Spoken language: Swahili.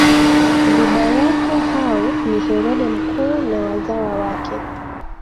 Vibaraka hao ni Herode Mkuu na wazawa wake